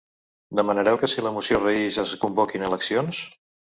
Demanareu que si la moció reïx es convoquin eleccions?